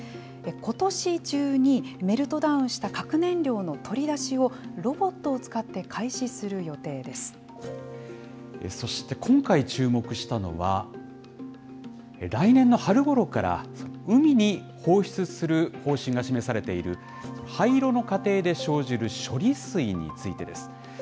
ことし中にメルトダウンした核燃料の取り出しをロボットを使ってそして今回、注目したのは、来年の春ごろから、海に放出する方針が示されている、廃炉の過程で生じる処理水についてです。